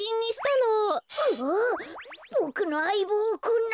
ボクのあいぼうをこんなふうに。